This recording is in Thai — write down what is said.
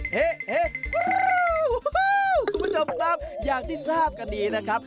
คุณผู้ชมครับอย่างที่ทราบกันดีนะครับ